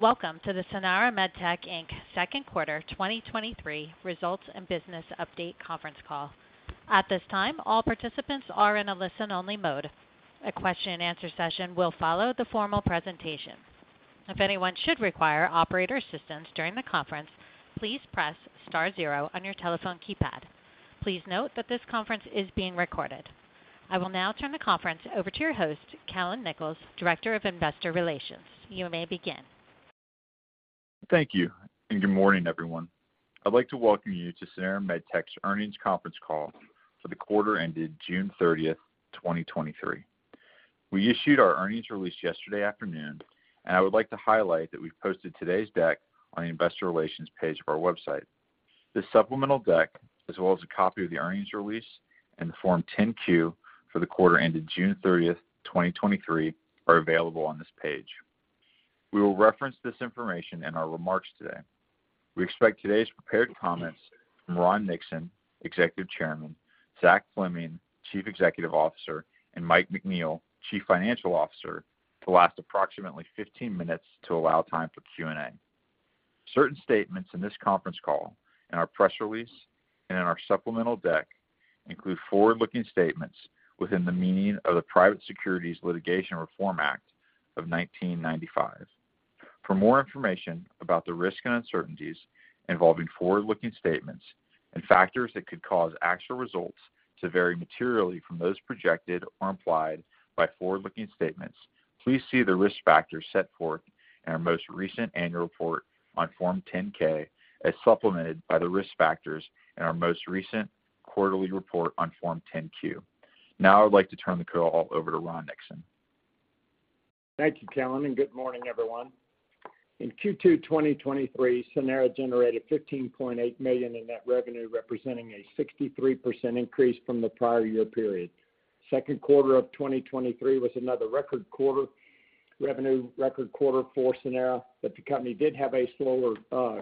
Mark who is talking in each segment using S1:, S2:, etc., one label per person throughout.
S1: Welcome to the Sanara MedTech Inc. second quarter 2023 results and business update conference call. At this time, all participants are in a listen-only mode. A question-and-answer session will follow the formal presentation. If anyone should require operator assistance during the conference, please press star zero on your telephone keypad. Please note that this conference is being recorded. I will now turn the conference over to your host, Callan Nichols, Director of Investor Relations. You may begin.
S2: Thank you. Good morning, everyone. I'd like to welcome you to Sanara MedTech's earnings conference call for the quarter ended June 30th, 2023. We issued our earnings release yesterday afternoon, and I would like to highlight that we've posted today's deck on the investor relations page of our website. This supplemental deck, as well as a copy of the earnings release and the Form 10-Q for the quarter ended June 30th, 2023, are available on this page. We will reference this information in our remarks today. We expect today's prepared comments from Ron Nixon, Executive Chairman, Zach Fleming, Chief Executive Officer, and Mike McNeil, Chief Financial Officer, to last approximately 15 minutes to allow time for Q&A. Certain statements in this conference call, in our press release, and in our supplemental deck include forward-looking statements within the meaning of the Private Securities Litigation Reform Act of 1995. For more information about the risks and uncertainties involving forward-looking statements and factors that could cause actual results to vary materially from those projected or implied by forward-looking statements, please see the risk factors set forth in our most recent annual report on Form 10-K, as supplemented by the risk factors in our most recent quarterly report on Form 10-Q. Now, I would like to turn the call over to Ron Nixon.
S3: Thank you, Callan. Good morning, everyone. In Q2 2023, Sanara generated $15.8 million in net revenue, representing a 63% increase from the prior year period. Second quarter of 2023 was another record quarter revenue, record quarter for Sanara. The company did have a slower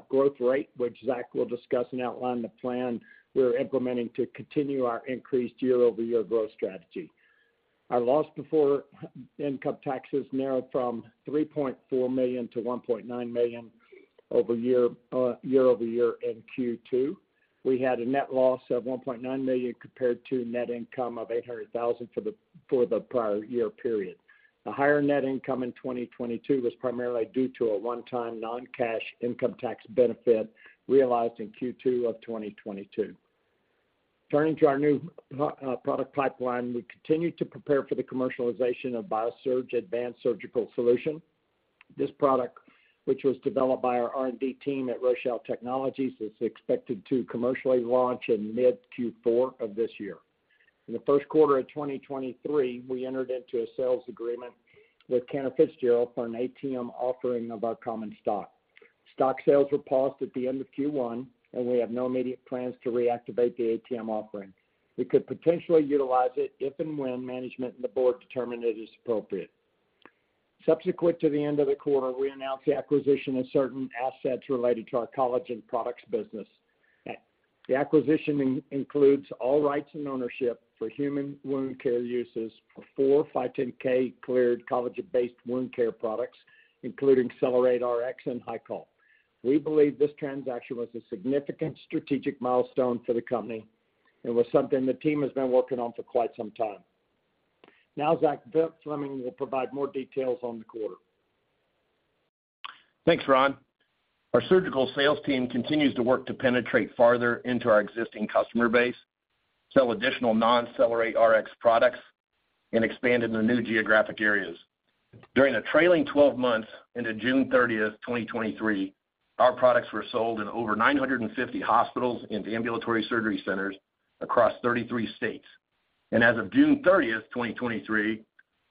S3: growth rate, which Zach will discuss and outline the plan we're implementing to continue our increased year-over-year growth strategy. Our loss before income taxes narrowed from $3.4 million to $1.9 million year-over-year in Q2. We had a net loss of $1.9 million compared to net income of $800,000 for the prior year period. The higher net income in 2022 was primarily due to a one-time non-cash income tax benefit realized in Q2 of 2022. Turning to our new product pipeline, we continued to prepare for the commercialization of BIASURGE Advanced Surgical Solution. This product, which was developed by our R&D team at Rochal Technologies, is expected to commercially launch in mid-Q4 of this year. In the first quarter of 2023, we entered into a sales agreement with Cantor Fitzgerald for an ATM offering of our common stock. Stock sales were paused at the end of Q1. We have no immediate plans to reactivate the ATM offering. We could potentially utilize it if and when management and the board determine it is appropriate. Subsequent to the end of the quarter, we announced the acquisition of certain assets related to our collagen products business. The acquisition includes all rights and ownership for human wound care uses for 4 510(k) cleared collagen-based wound care products, including CellerateRX and HYCOL. We believe this transaction was a significant strategic milestone for the company and was something the team has been working on for quite some time. Now, Zach Fleming will provide more details on the quarter.
S4: Thanks, Ron. Our surgical sales team continues to work to penetrate farther into our existing customer base, sell additional non-CellerateRX products, and expand into new geographic areas. During the trailing 12 months into June 30, 2023, our products were sold in over 950 hospitals and ambulatory surgery centers across 33 states. As of June 30, 2023,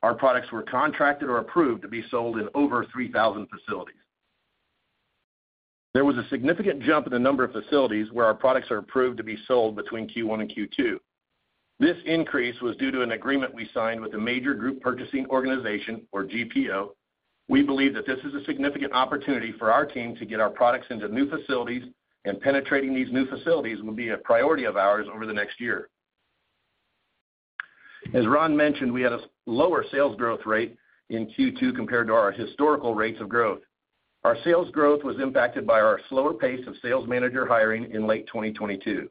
S4: our products were contracted or approved to be sold in over 3,000 facilities. There was a significant jump in the number of facilities where our products are approved to be sold between Q1 and Q2. This increase was due to an agreement we signed with a major group purchasing organization, or GPO. We believe that this is a significant opportunity for our team to get our products into new facilities, and penetrating these new facilities will be a priority of ours over the next year. As Ron mentioned, we had a lower sales growth rate in Q2 compared to our historical rates of growth. Our sales growth was impacted by our slower pace of sales manager hiring in late 2022.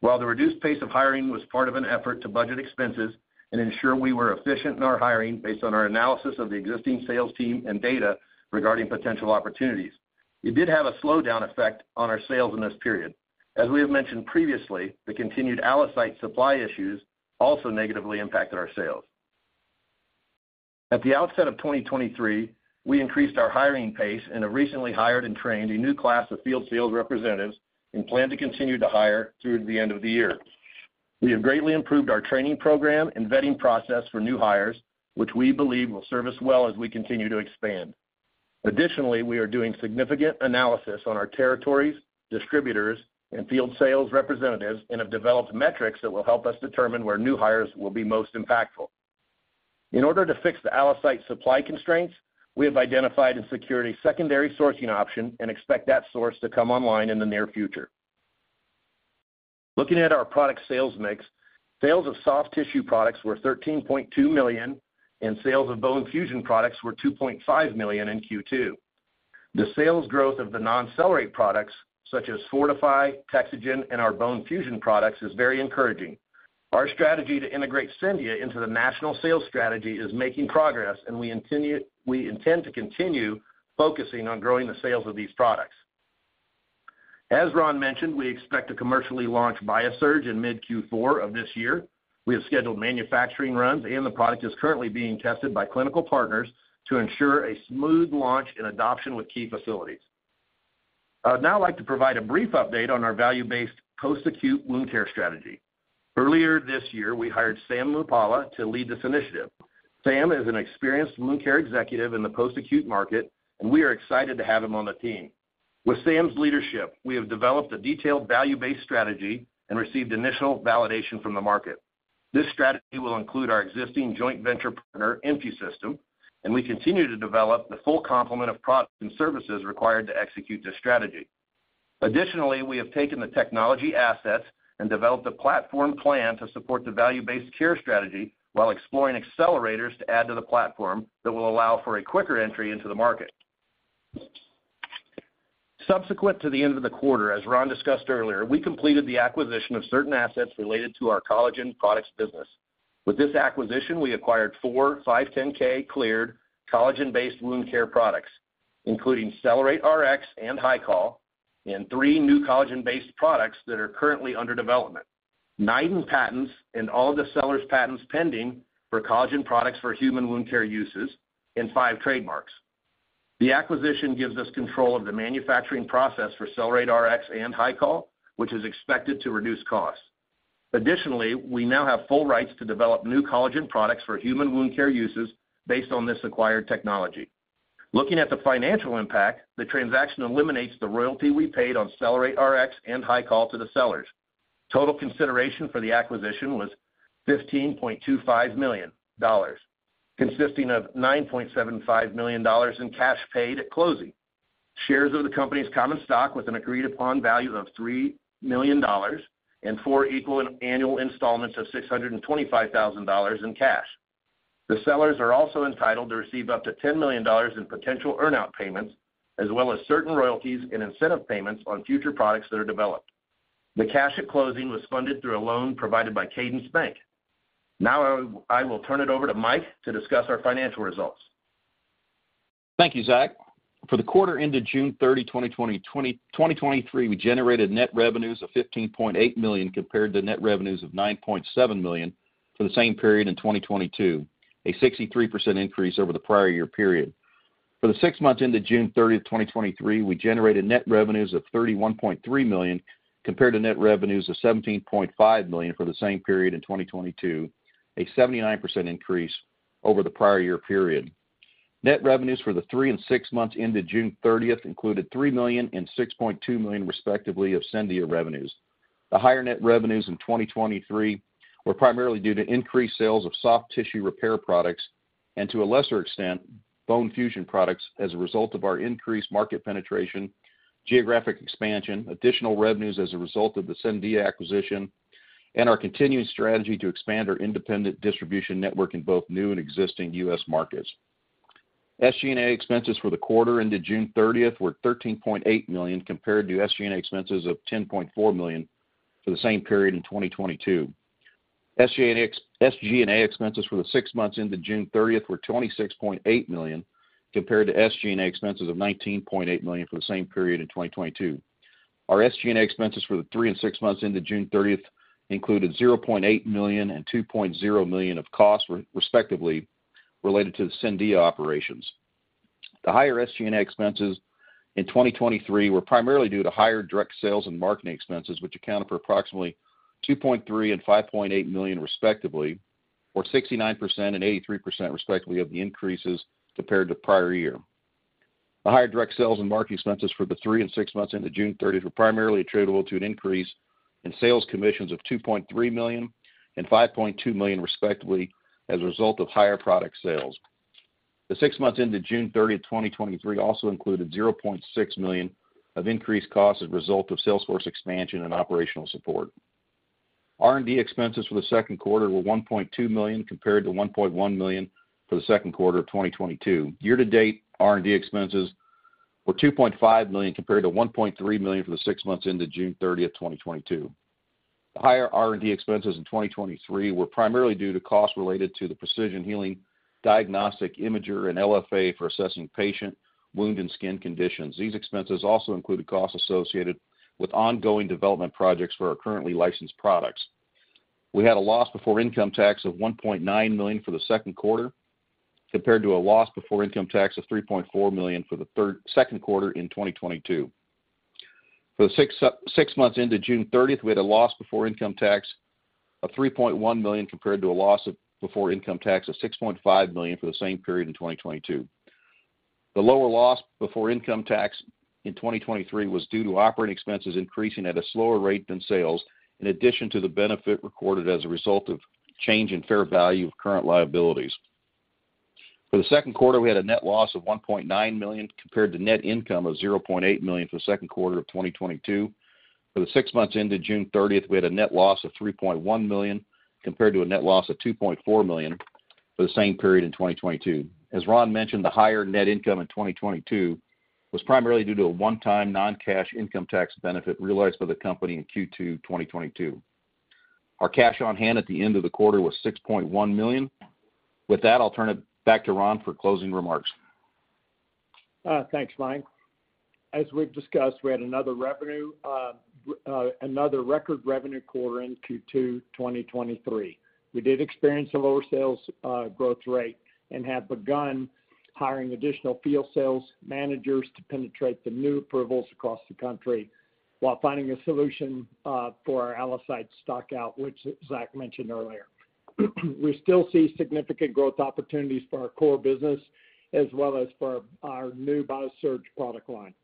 S4: While the reduced pace of hiring was part of an effort to budget expenses and ensure we were efficient in our hiring based on our analysis of the existing sales team and data regarding potential opportunities, it did have a slowdown effect on our sales in this period. As we have mentioned previously, the continued ALLOCYTE supply issues also negatively impacted our sales. At the outset of 2023, we increased our hiring pace and have recently hired and trained a new class of field sales representatives and plan to continue to hire through the end of the year. We have greatly improved our training program and vetting process for new hires, which we believe will serve us well as we continue to expand. Additionally, we are doing significant analysis on our territories, distributors, and field sales representatives and have developed metrics that will help us determine where new hires will be most impactful. In order to fix the ALLOCYTE supply constraints, we have identified and secured a secondary sourcing option and expect that source to come online in the near future. Looking at our product sales mix, sales of soft tissue products were $13.2 million, and sales of bone fusion products were $2.5 million in Q2. The sales growth of the non-Cellerate products, such as FORTIFY, TEXAGEN, and our bone fusion products, is very encouraging. Our strategy to integrate Scendia into the national sales strategy is making progress, and we intend to continue focusing on growing the sales of these products. As Ron mentioned, we expect to commercially launch BIASURGE in mid-Q4 of this year. We have scheduled manufacturing runs, and the product is currently being tested by clinical partners to ensure a smooth launch and adoption with key facilities. I'd now like to provide a brief update on our value-based post-acute wound care strategy. Earlier this year, we hired Sam Muppala to lead this initiative. Sam is an experienced wound care executive in the post-acute market, and we are excited to have him on the team. With Sam's leadership, we have developed a detailed value-based strategy and received initial validation from the market. This strategy will include our existing joint venture partner, InfuSystem. We continue to develop the full complement of products and services required to execute this strategy. Additionally, we have taken the technology assets and developed a platform plan to support the value-based care strategy while exploring accelerators to add to the platform that will allow for a quicker entry into the market. Subsequent to the end of the quarter, as Ron discussed earlier, we completed the acquisition of certain assets related to our collagen products business. With this acquisition, we acquired four 510(k) cleared collagen-based wound care products, including CellerateRX and HyCol, and three new collagen-based products that are currently under development, nine patents and all of the sellers' patents pending for collagen products for human wound care uses, and five trademarks. The acquisition gives us control of the manufacturing process for CellerateRX and HyCol, which is expected to reduce costs. We now have full rights to develop new collagen products for human wound care uses based on this acquired technology. Looking at the financial impact, the transaction eliminates the royalty we paid on CellerateRX and HyCol to the sellers. Total consideration for the acquisition was $15.25 million, consisting of $9.75 million in cash paid at closing. Shares of the company's common stock with an agreed-upon value of $3 million and 4 equal annual installments of $625,000 in cash. The sellers are also entitled to receive up to $10 million in potential earn-out payments, as well as certain royalties and incentive payments on future products that are developed. The cash at closing was funded through a loan provided by Cadence Bank. Now, I will turn it over to Mike to discuss our financial results.
S5: Thank you, Zach. For the quarter ended June 30, 2023, we generated net revenues of $15.8 million compared to net revenues of $9.7 million for the same period in 2022, a 63% increase over the prior year period. For the six months ended June 30, 2023, we generated net revenues of $31.3 million compared to net revenues of $17.5 million for the same period in 2022, a 79% increase over the prior year period. Net revenues for the three and six months ended June 30 included $3 million and $6.2 million, respectively, of Scendia revenues. The higher net revenues in 2023 were primarily due to increased sales of soft tissue repair products and, to a lesser extent, bone fusion products as a result of our increased market penetration, geographic expansion, additional revenues as a result of the Scendia acquisition, and our continuing strategy to expand our independent distribution network in both new and existing U.S. markets. SG&A expenses for the quarter ended June 30th were $13.8 million, compared to SG&A expenses of $10.4 million for the same period in 2022. SG&A expenses for the six months ended June 30th were $26.8 million, compared to SG&A expenses of $19.8 million for the same period in 2022. Our SG&A expenses for the three and six months ended June thirtieth included $0.8 million and $2.0 million of costs, respectively, related to the Scendia operations. The higher SG&A expenses in 2023 were primarily due to higher direct sales and marketing expenses, which accounted for approximately $2.3 million and $5.8 million, respectively, or 69% and 83%, respectively, of the increases compared to the prior year. The higher direct sales and marketing expenses for the three and six months ended June thirtieth were primarily attributable to an increase in sales commissions of $2.3 million and $5.2 million, respectively, as a result of higher product sales. The six months ended June thirtieth, 2023, also included $0.6 million of increased costs as a result of salesforce expansion and operational support. R&D expenses for the second quarter were $1.2 million, compared to $1.1 million for the second quarter of 2022. Year to date, R&D expenses were $2.5 million, compared to $1.3 million for the six months ended June 30th, 2022. The higher R&D expenses in 2023 were primarily due to costs related to the Precision Healing diagnostic imager and LFA for assessing patient wound and skin conditions. These expenses also included costs associated with ongoing development projects for our currently licensed products. We had a loss before income tax of $1.9 million for the second quarter, compared to a loss before income tax of $3.4 million for the second quarter in 2022. For the 6 months ended June 30th, we had a loss before income tax of $3.1 million, compared to a loss before income tax of $6.5 million for the same period in 2022. The lower loss before income tax in 2023 was due to operating expenses increasing at a slower rate than sales, in addition to the benefit recorded as a result of change in fair value of current liabilities. For the second quarter, we had a net loss of $1.9 million, compared to net income of $0.8 million for the second quarter of 2022. For the six months ended June thirtieth, we had a net loss of $3.1 million, compared to a net loss of $2.4 million for the same period in 2022. As Ron mentioned, the higher net income in 2022 was primarily due to a one-time non-cash income tax benefit realized by the company in Q2, 2022. Our cash on hand at the end of the quarter was $6.1 million. With that, I'll turn it back to Ron for closing remarks.
S3: Thanks, Mike. As we've discussed, we had another revenue, another record revenue quarter in Q2 2023. We did experience a lower sales growth rate and have begun hiring additional field sales managers to penetrate the new approvals across the country while finding a solution for our ALLOCYTE stockout, which Zach mentioned earlier. We still see significant growth opportunities for our core business as well as for our new BioSURGE product line.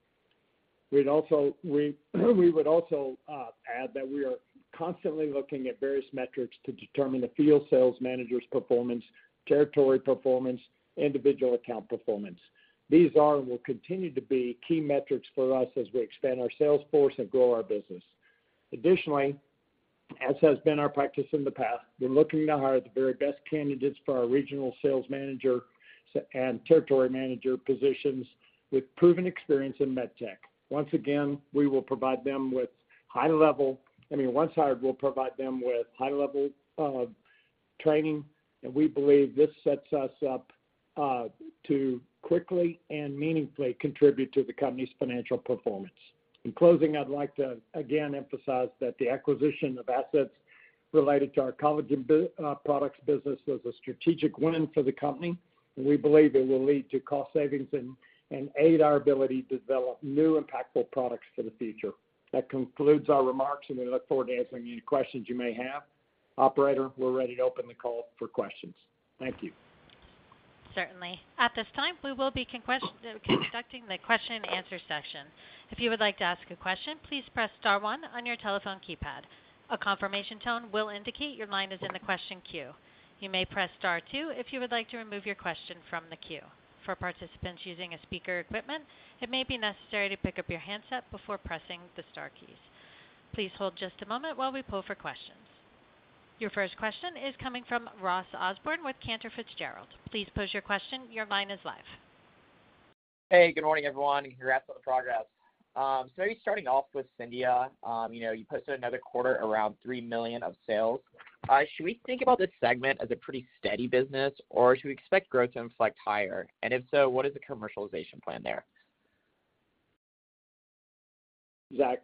S3: We would also add that we are constantly looking at various metrics to determine the field sales managers' performance, territory performance, individual account performance. These are and will continue to be key metrics for us as we expand our sales force and grow our business. Additionally, as has been our practice in the past, we're looking to hire the very best candidates for our regional sales manager and territory manager positions with proven experience in med tech. Once again, we will provide them with high level. I mean, once hired, we'll provide them with high level training, and we believe this sets us up to quickly and meaningfully contribute to the company's financial performance. In closing, I'd like to again emphasize that the acquisition of assets related to our collagen products business was a strategic win for the company, and we believe it will lead to cost savings and aid our ability to develop new impactful products for the future. That concludes our remarks, and we look forward to answering any questions you may have. Operator, we're ready to open the call for questions. Thank you.
S1: Certainly. At this time, we will be conducting the question and answer session. If you would like to ask a question, please press star one on your telephone keypad. A confirmation tone will indicate your line is in the question queue. You may press star two if you would like to remove your question from the queue. For participants using a speaker equipment, it may be necessary to pick up your handset before pressing the star keys. Please hold just a moment while we pull for questions. Your first question is coming from Ross Osborn with Cantor Fitzgerald. Please pose your question. Your line is live.
S6: Hey, good morning, everyone, and congrats on the progress. Maybe starting off with Scendia, you know, you posted another quarter around $3 million of sales. Should we think about this segment as a pretty steady business, or should we expect growth to inflect higher? If so, what is the commercialization plan there?
S4: Zach?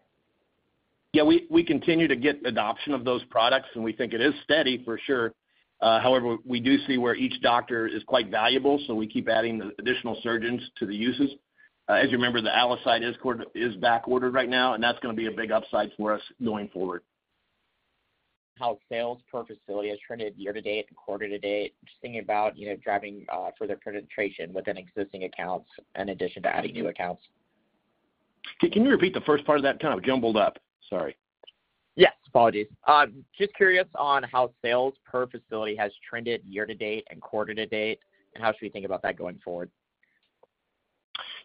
S4: Yeah, we, we continue to get adoption of those products, and we think it is steady for sure. However, we do see where each doctor is quite valuable, so we keep adding the additional surgeons to the uses. As you remember, the ALLOCYTE is backordered right now, and that's gonna be a big upside for us going forward.
S6: How sales per facility has trended year to date and quarter to date, just thinking about, you know, driving further penetration within existing accounts in addition to adding new accounts.
S4: Can you repeat the first part of that? Kind of jumbled up. Sorry.
S6: Yes, apologies. Just curious on how sales per facility has trended year to date and quarter to date, and how should we think about that going forward?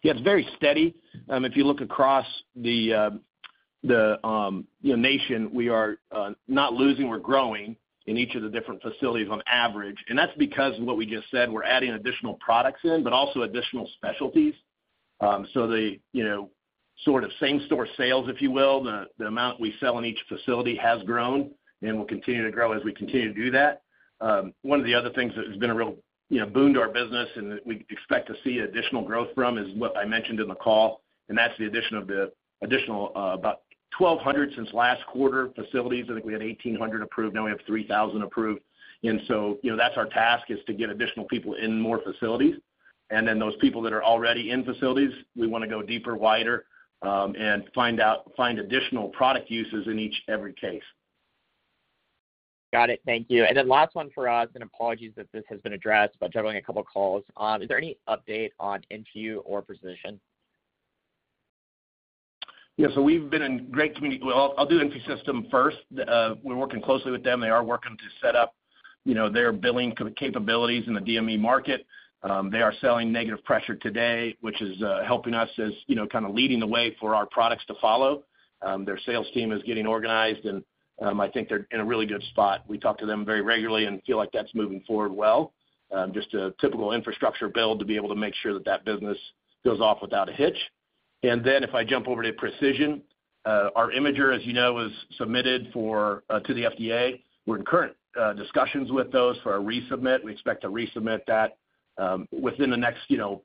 S4: Yeah, it's very steady. If you look across the, the, you know, nation, we are not losing, we're growing in each of the different facilities on average, that's because of what we just said. We're adding additional products in, also additional specialties. The, you know, sort of same-store sales, if you will, the, the amount we sell in each facility has grown and will continue to grow as we continue to do that. One of the other things that has been a real, you know, boon to our business and that we expect to see additional growth from is what I mentioned in the call, that's the addition of the additional, about 1,200 since last quarter, facilities. I think we had 1,800 approved, now we have 3,000 approved. You know, that's our task, is to get additional people in more facilities. Those people that are already in facilities, we want to go deeper, wider, and find out, find additional product uses in each and every case.
S6: Got it. Thank you. Then last one for us, apologies if this has been addressed, but juggling a couple of calls. Is there any update on Infu or Precision?
S4: Yeah, so we've been in great community... Well, I'll do InfuSystem first. We're working closely with them. They are working to set up, you know, their billing capabilities in the DME market. They are selling negative pressure today, which is helping us as, you know, kind of leading the way for our products to follow. Their sales team is getting organized, and I think they're in a really good spot. We talk to them very regularly and feel like that's moving forward well. Just a typical infrastructure build to be able to make sure that that business goes off without a hitch. If I jump over to Precision, our imager, as you know, was submitted for to the FDA. We're in current discussions with those for a resubmit. We expect to resubmit that, within the next, you know,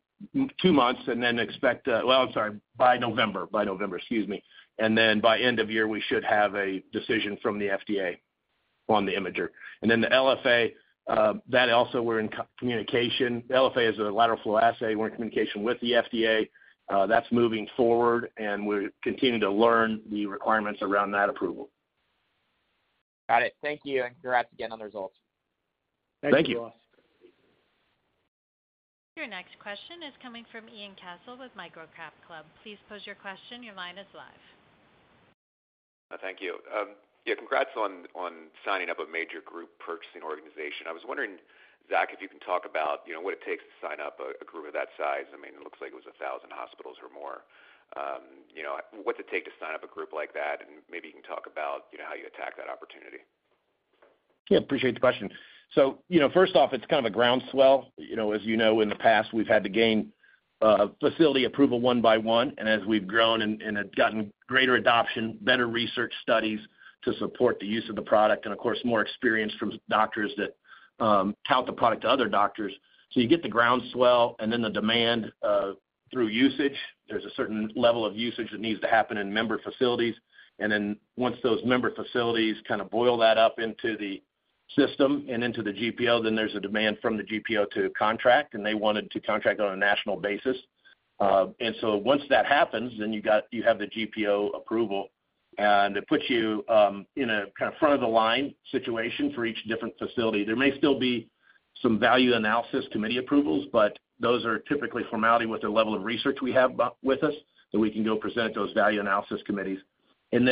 S4: two months. Well, I'm sorry, by November. By November, excuse me. Then by end of year, we should have a decision from the FDA on the imager. Then the LFA, that also we're in communication. LFA is a lateral flow assay. We're in communication with the FDA. That's moving forward, and we're continuing to learn the requirements around that approval.
S6: Got it. Thank you, and congrats again on the results.
S4: Thank you.
S3: Thank you, Ross.
S1: Your next question is coming from Ian Cassel with MicroCapClub. Please pose your question. Your line is live.
S7: Thank you. Yeah, congrats on, on signing up a major group purchasing organization. I was wondering, Zach, if you can talk about, you know, what it takes to sign up a, a group of that size. I mean, it looks like it was 1,000 hospitals or more. You know, what's it take to sign up a group like that? Maybe you can talk about, you know, how you attack that opportunity.
S4: Yeah, appreciate the question. You know, first off, it's kind of a groundswell. You know, as you know, in the past, we've had to gain facility approval one by one, and as we've grown and have gotten greater adoption, better research studies to support the use of the product, and of course, more experience from doctors that tout the product to other doctors. You get the groundswell and then the demand through usage. There's a certain level of usage that needs to happen in member facilities. Once those member facilities kind of boil that up into the system and into the GPO, then there's a demand from the GPO to contract, and they wanted to contract on a national basis. Once that happens, then you have the GPO approval, and it puts you in a kind of front of the line situation for each different facility. There may still be some value analysis committee approvals, but those are typically formality with the level of research we have with us, so we can go present those value analysis committees. Then,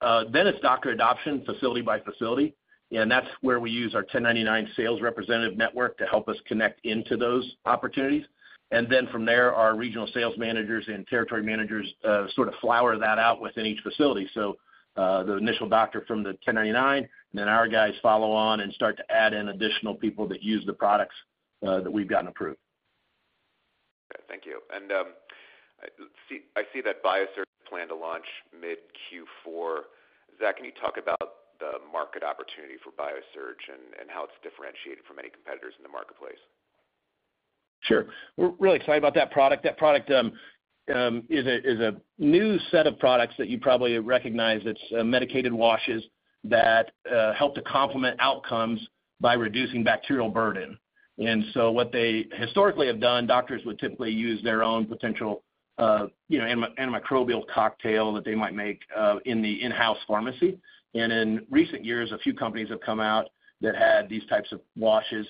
S4: then it's doctor adoption, facility by facility, and that's where we use our 1099 sales representative network to help us connect into those opportunities. Then from there, our regional sales managers and territory managers sort of flower that out within each facility. The initial doctor from the 1099, and then our guys follow on and start to add in additional people that use the products that we've gotten approved.
S7: Thank you. I see, I see that BioSURGE plan to launch mid Q4. Zach, can you talk about the market opportunity for BioSURGE and, and how it's differentiated from any competitors in the marketplace?
S4: Sure. We're really excited about that product. That product is a new set of products that you probably recognize. It's medicated washes that help to complement outcomes by reducing bacterial burden. What they historically have done, doctors would typically use their own potential, you know, antimicrobial cocktail that they might make in the in-house pharmacy. In recent years, a few companies have come out that had these types of washes,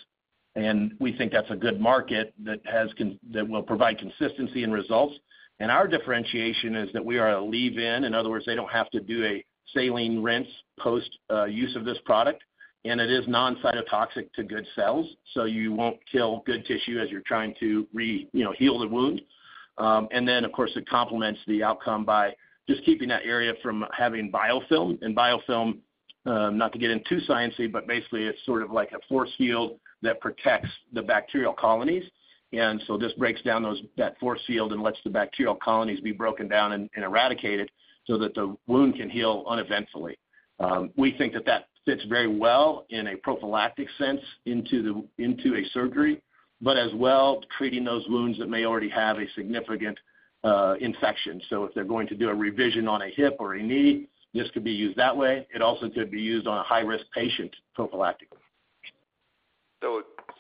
S4: and we think that's a good market that will provide consistency and results. Our differentiation is that we are a leave-in. In other words, they don't have to do a saline rinse post use of this product, and it is non-cytotoxic to good cells, so you won't kill good tissue as you're trying to, you know, heal the wound. Then, of course, it complements the outcome by just keeping that area from having biofilm. Biofilm, not to get in too sciency, but basically, it's sort of like a force field that protects the bacterial colonies. This breaks down those, that force field and lets the bacterial colonies be broken down and eradicated so that the wound can heal uneventfully. We think that that fits very well in a prophylactic sense, into the, into a surgery, but as well, treating those wounds that may already have a significant infection. If they're going to do a revision on a hip or a knee, this could be used that way. It also could be used on a high-risk patient, prophylactically.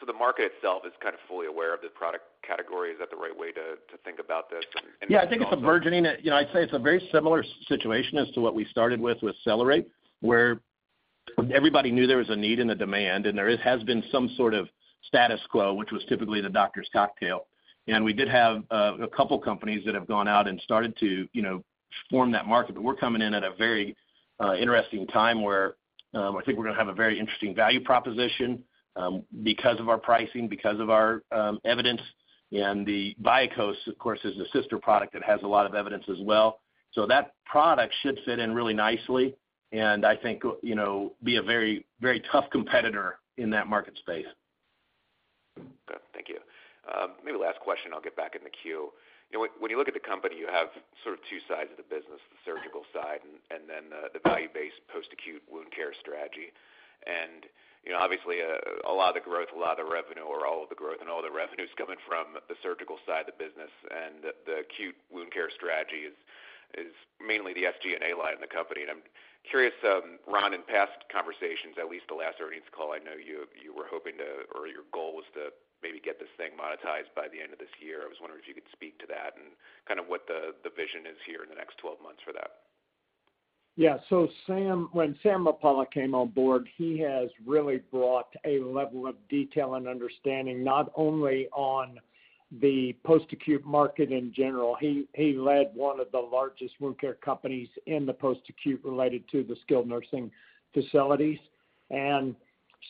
S7: The market itself is kind of fully aware of the product category. Is that the right way to think about this?
S4: Yeah, I think it's a burgeoning... You know, I'd say it's a very similar situation as to what we started with, with CellerateRX, where everybody knew there was a need and a demand, and there is, has been some sort of status quo, which was typically the doctor's cocktail. We did have a couple of companies that have gone out and started to, you know, form that market. We're coming in at a very interesting time where, I think we're going to have a very interesting value proposition, because of our pricing, because of our evidence. The BioCOSE, of course, is a sister product that has a lot of evidence as well. That product should fit in really nicely, and I think, you know, be a very very tough competitor in that market space.
S7: Good. Thank you. Maybe last question, I'll get back in the queue. You know, when, when you look at the company, you have sort of two sides of the business, the surgical side and, and then the, the value-based post-acute wound care strategy. You know, obviously, a, a lot of the growth, a lot of the revenue or all of the growth and all the revenue is coming from the surgical side of the business. The acute wound care strategy is, is mainly the SG&A line in the company. I'm curious, Ron, in past conversations, at least the last earnings call, I know you, you were hoping to, or your goal was to maybe get this thing monetized by the end of this year. I was wondering if you could speak to that and kind of what the, the vision is here in the next 12 months for that.
S3: Yeah. Sam, when Sam Muppala came on board, he has really brought a level of detail and understanding, not only on the post-acute market in general, he, he led one of the largest wound care companies in the post-acute related to the skilled nursing facilities.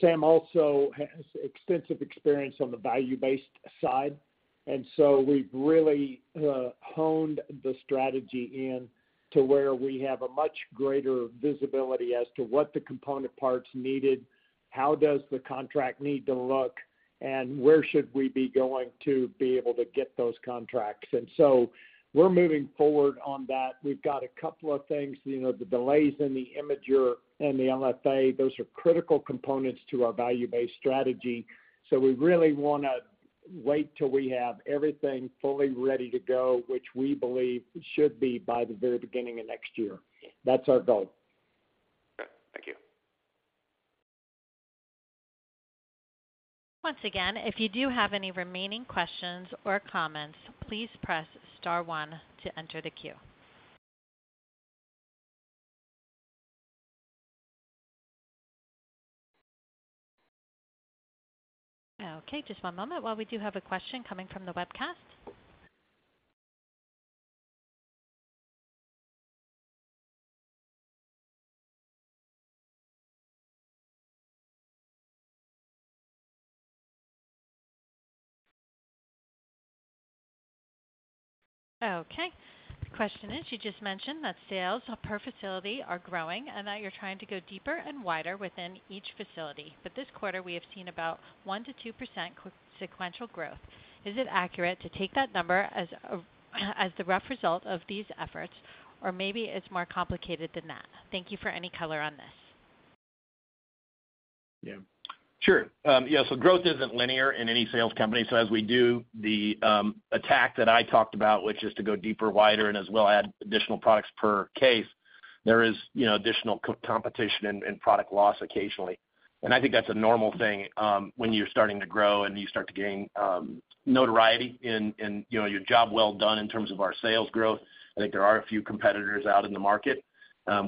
S3: Sam also has extensive experience on the value-based side. We've really honed the strategy in to where we have a much greater visibility as to what the component parts needed, how does the contract need to look, and where should we be going to be able to get those contracts? We're moving forward on that. We've got a couple of things, you know, the delays in the imager and the LFA, those are critical components to our value-based strategy. We really want to wait till we have everything fully ready to go, which we believe should be by the very beginning of next year. That's our goal.
S7: Okay. Thank you.
S1: Once again, if you do have any remaining questions or comments, please press star one to enter the queue. Just one moment while we do have a question coming from the webcast. The question is, you just mentioned that sales per facility are growing and that you're trying to go deeper and wider within each facility. This quarter, we have seen about 1% to 2% sequential growth. Is it accurate to take that number as the rough result of these efforts, or maybe it's more complicated than that? Thank you for any color on this.
S3: Yeah.
S4: Sure. Yeah, growth isn't linear in any sales company. As we do the attack that I talked about, which is to go deeper, wider, and as well add additional products per case, there is, you know, additional co- competition and product loss occasionally. I think that's a normal thing when you're starting to grow and you start to gain notoriety in, in, you know, your job well done in terms of our sales growth. I think there are a few competitors out in the market.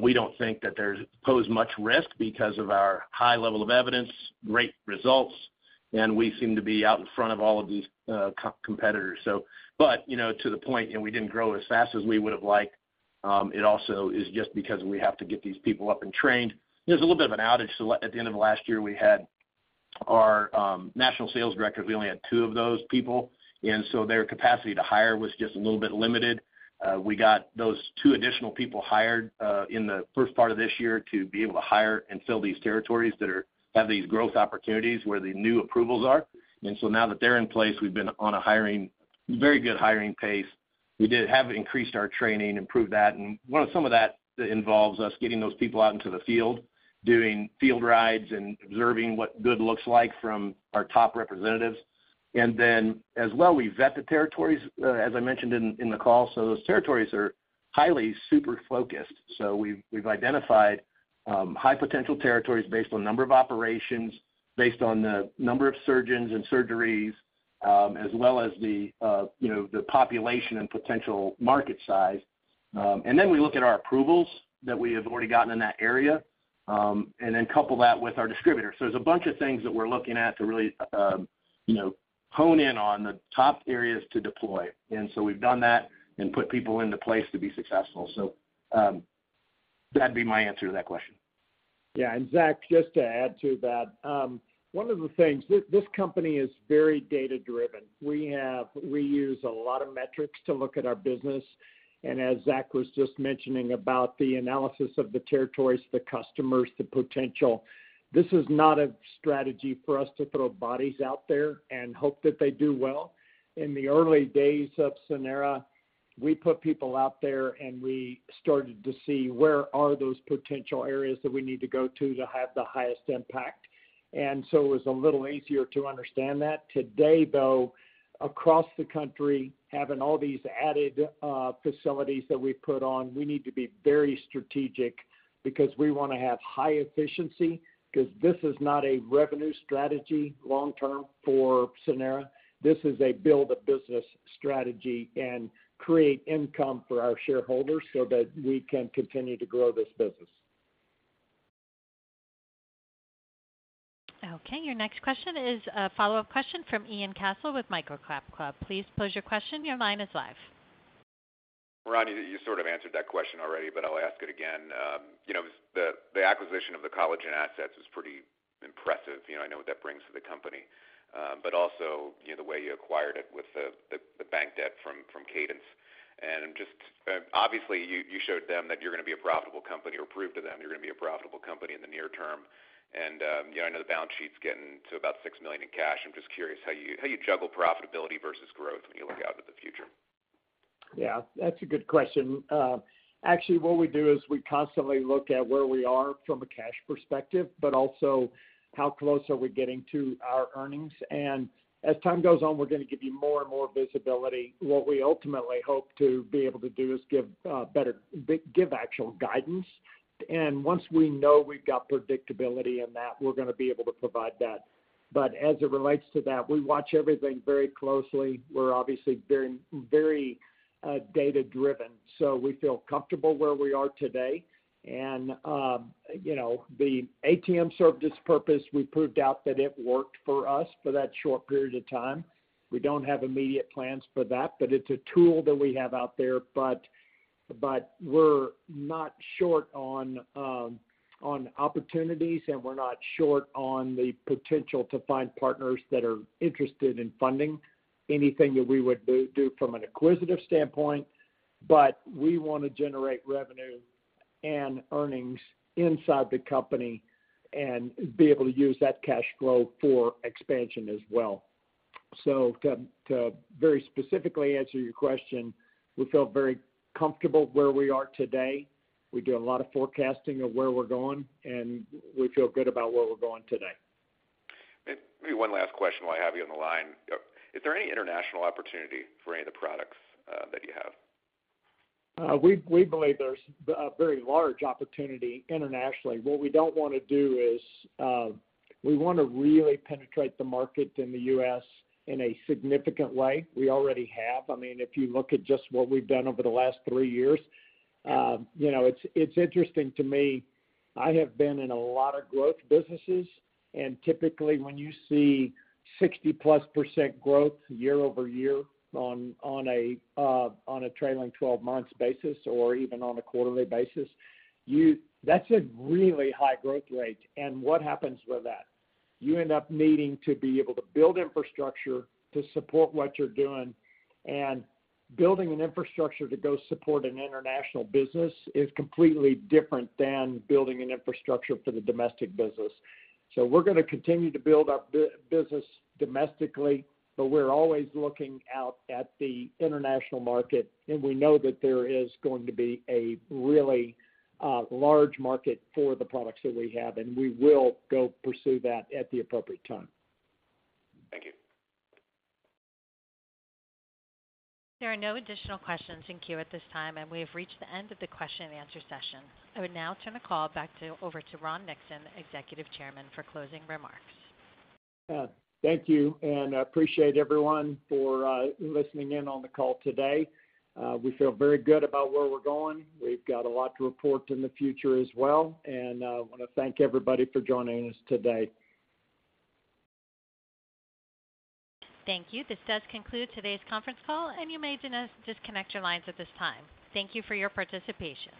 S4: We don't think that they pose much risk because of our high level of evidence, great results, and we seem to be out in front of all of these co- competitors. You know, to the point, and we didn't grow as fast as we would have liked, it also is just because we have to get these people up and trained. There's a little bit of an outage. At the end of last year, we had our national sales directors, we only had two of those people, and so their capacity to hire was just a little bit limited. We got those two additional people hired in the first part of this year to be able to hire and fill these territories that are, have these growth opportunities where the new approvals are. Now that they're in place, we've been on a hiring, very good hiring pace. We have increased our training, improved that, and some of that involves us getting those people out into the field, doing field rides and observing what good looks like from our top representatives. As well, we vet the territories, as I mentioned in, in the call, so those territories are highly super focused. We've identified high potential territories based on number of operations, based on the number of surgeons and surgeries, as well as the, you know, the population and potential market size. We look at our approvals that we have already gotten in that area, and then couple that with our distributors. There's a bunch of things that we're looking at to really, you know, hone in on the top areas to deploy. We've done that and put people into place to be successful. That'd be my answer to that question.
S3: Zach, just to add to that, one of the things, this, this company is very data-driven. We use a lot of metrics to look at our business, and as Zach was just mentioning about the analysis of the territories, the customers, the potential, this is not a strategy for us to throw bodies out there and hope that they do well. In the early days of Sanara, we put people out there, and we started to see where are those potential areas that we need to go to, to have the highest impact. It was a little easier to understand that. Today, though, across the country, having all these added facilities that we put on, we need to be very strategic because we want to have high efficiency, because this is not a revenue strategy long term for Sanara. This is a build a business strategy and create income for our shareholders so that we can continue to grow this business.
S1: Okay, your next question is a follow-up question from Ian Cassel with MicroCapClub. Please pose your question. Your line is live.
S7: Ronnie, you sort of answered that question already, but I'll ask it again. You know, the, the acquisition of the collagen assets is pretty impressive. You know, I know what that brings to the company, but also, you know, the way you acquired it with the, the, the bank debt from, from Cadence. Just, obviously, you, you showed them that you're going to be a profitable company or proved to them you're going to be a profitable company in the near term. You know, I know the balance sheet's getting to about $6 million in cash. I'm just curious how you, how you juggle profitability versus growth when you look out at the future.
S3: Yeah, that's a good question. Actually, what we do is we constantly look at where we are from a cash perspective, but also how close are we getting to our earnings. As time goes on, we're going to give you more and more visibility. What we ultimately hope to be able to do is give better, give actual guidance. Once we know we've got predictability in that, we're going to be able to provide that. As it relates to that, we watch everything very closely. We're obviously very, very data-driven, so we feel comfortable where we are today. You know, the ATM served its purpose. We proved out that it worked for us for that short period of time. We don't have immediate plans for that, but it's a tool that we have out there. We're not short on opportunities, and we're not short on the potential to find partners that are interested in funding anything that we would do from an acquisitive standpoint. We want to generate revenue and earnings inside the company and be able to use that cash flow for expansion as well. To very specifically answer your question, we feel very comfortable where we are today. We do a lot of forecasting of where we're going, and we feel good about where we're going today.
S7: Maybe one last question while I have you on the line. Is there any international opportunity for any of the products that you have?
S3: We, we believe there's a very large opportunity internationally. What we don't want to do is, we want to really penetrate the market in the U.S. in a significant way. We already have. I mean, if you look at just what we've done over the last three years, you know, it's, it's interesting to me. I have been in a lot of growth businesses, and typically, when you see 60+% growth year-over-year on, on a, on a trailing 12 months basis or even on a quarterly basis, you, that's a really high growth rate. And what happens with that? You end up needing to be able to build infrastructure to support what you're doing. And building an infrastructure to go support an international business is completely different than building an infrastructure for the domestic business. We're going to continue to build our business domestically, but we're always looking out at the international market, and we know that there is going to be a really large market for the products that we have, and we will go pursue that at the appropriate time.
S7: Thank you.
S1: There are no additional questions in queue at this time. We have reached the end of the question and answer session. I would now turn the call over to Ron Nixon, Executive Chairman, for closing remarks.
S3: Thank you, and I appreciate everyone for listening in on the call today. We feel very good about where we're going. We've got a lot to report in the future as well, and I want to thank everybody for joining us today.
S1: Thank you. This does conclude today's conference call, and you may disconnect your lines at this time. Thank you for your participation.